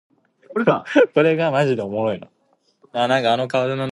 Pressing the sheet removes the water by force.